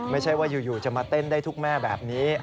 ไม่ใช่ว่าอยู่จะมาเต้นได้ทุกแม่แบบนี้